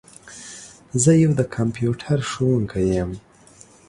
زه یو د کمپیوټر ښوونکي یم.